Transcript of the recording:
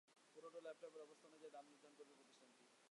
পুরোনো ল্যাপটপের অবস্থা অনুযায়ী দাম নির্ধারণ করবে প্রতিষ্ঠানটি।